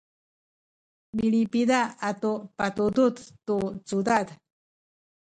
milipida atu patudud tu cudad